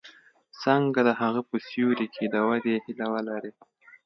څنګه د هغه په سیوري کې د ودې هیله ولري.